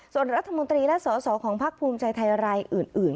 ส่วนรัฐมนตรีและสอสอของพักภูมิใจไทยรายอื่น